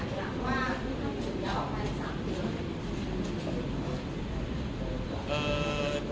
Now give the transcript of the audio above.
ยังไม่ได้คิด